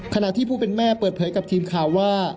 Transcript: ขณะที่ผู้เป็นแม่เปิดเผยกับทีมข่าวว่า